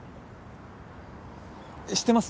知ってます？